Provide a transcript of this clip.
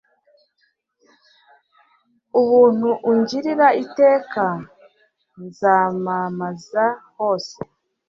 ubuntu ungirira iteka; nzamamza hose